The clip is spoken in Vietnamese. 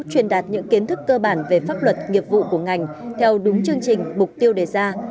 truyền đạt những kiến thức cơ bản về pháp luật nghiệp vụ của ngành theo đúng chương trình mục tiêu đề ra